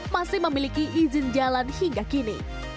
masih memiliki izin jalan